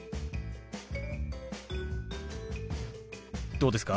どうですか？